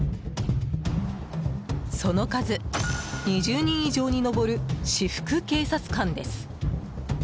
その数、２０人以上に上る私服警察官です。